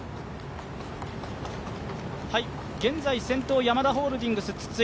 現在、先頭、ヤマダホールディングスの筒井。